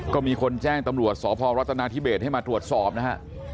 ก็มีคนแจ้งตำรวจสพรัฐนาธิเบสให้มาตรวจสอบนะฮะ